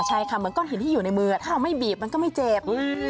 ใช่ค่ะเหมือนก้อนหินที่อยู่ในมือถ้าเราไม่บีบมันก็ไม่เจ็บ